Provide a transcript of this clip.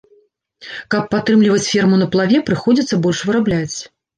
Каб падтрымліваць ферму на плаве, прыходзіцца больш вырабляць.